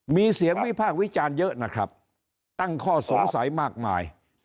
มีเสียงวิพากษ์วิจารณ์เยอะนะครับตั้งข้อสงสัยมากมาย